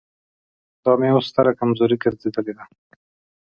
دا مې اوس ستره کمزوري ګرځېدلې ده.